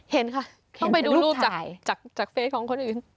เห็นค่ะต้องไปดูรูปจากเฟสของคนอื่น